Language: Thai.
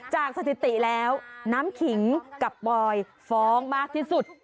สถิติแล้วน้ำขิงกับบอยฟ้องมากที่สุด